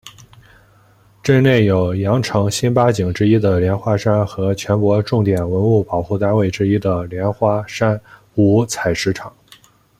镇内有羊城新八景之一的莲花山和全国重点文物保护单位之一的莲花山古采石场。